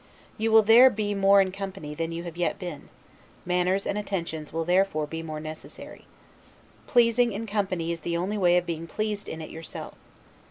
You will there be in more company than you have yet been; manners and attentions will therefore be more necessary. Pleasing in company is the only way of being pleased in it yourself.